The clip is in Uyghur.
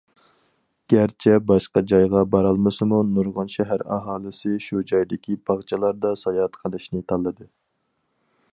گەرچە باشقا جايغا بارالمىسىمۇ، نۇرغۇن شەھەر ئاھالىسى شۇ جايدىكى باغچىلاردا ساياھەت قىلىشنى تاللىدى.